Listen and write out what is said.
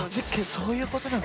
あそういうことなの？